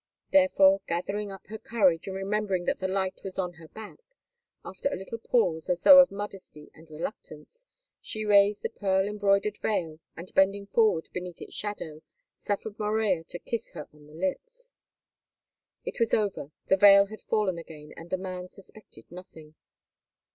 Therefore, gathering up her courage, and remembering that the light was at her back, after a little pause, as though of modesty and reluctance, she raised the pearl embroidered veil, and, bending forward beneath its shadow, suffered Morella to kiss her on the lips. It was over, the veil had fallen again, and the man suspected nothing.